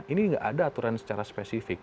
ini nggak ada aturan secara spesifik